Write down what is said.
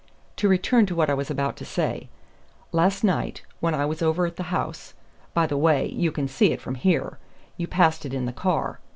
To return to what I was about to say: last night, when I was over at the house by the way, you can see it from here. You passed it in the car."